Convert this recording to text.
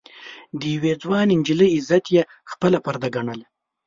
د يوې ځوانې نجلۍ عزت يې خپله پرده ګڼله.